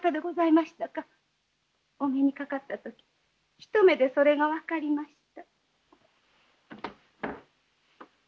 お目にかかった時一目でそれが分かりました。